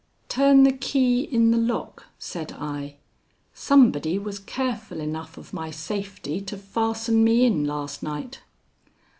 "Turn the key in the lock," said I. "Somebody was careful enough of my safety to fasten me in last night."